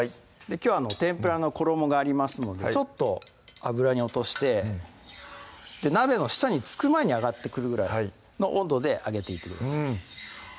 きょうは天ぷらの衣がありますのでちょっと油に落として鍋の下に着く前に上がってくるぐらいの温度で揚げていってください